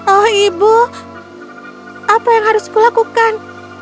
oh ibu apa yang harus kulakukan